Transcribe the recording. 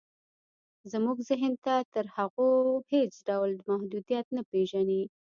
زموږ ذهن تر هغو هېڅ ډول محدوديت نه پېژني.